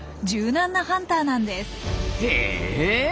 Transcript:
へえ。